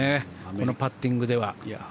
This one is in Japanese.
このパッティングでは。